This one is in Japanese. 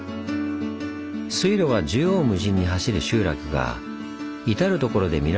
水路が縦横無尽に走る集落が至る所で見られる佐賀平野。